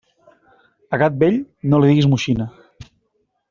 A gat vell, no li diguis moixina.